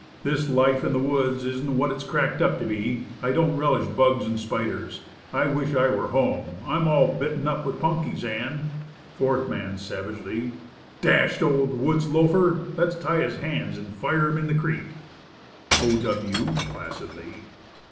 "This life in the woods isn't what it's cracked up to be; I don't relish bugs and spiders. I wish I were home. I'm all bitten up with punkies, and Fourth Man (savagely). "Dashed old woods loafer; let's tie his hands and fire him in the creek." O. W. (placidly).